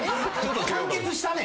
完結したね。